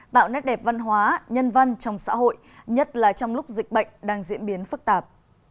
tạo nét đẹp văn hóa nhân văn trong xã hội nhất là trong lúc dịch bệnh đang diễn biến phức tạp